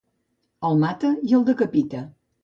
El mata i el decapita.